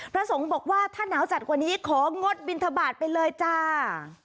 สงฆ์บอกว่าถ้าหนาวจัดกว่านี้ของงดบินทบาทไปเลยจ้า